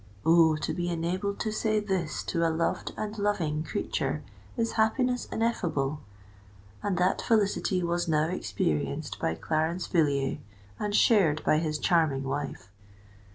Oh! to be enabled to say this to a loved and loving creature, is happiness ineffable; and that felicity was now experienced by Clarence Villiers, and shared by his charming wife.